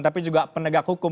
tetapi juga penegak hukum